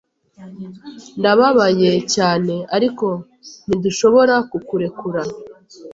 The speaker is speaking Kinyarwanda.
Ndababaye cyane, ariko ntidushobora kukurekura.